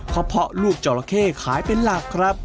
เพราะลูกจราเข้ขายเป็นหลักครับ